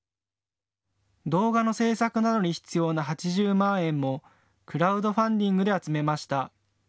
動画の制作などに必要な８０万円もクラウドファンディングで集めました。